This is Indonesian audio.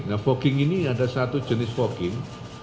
nah fogging ini ada satu jenis fogging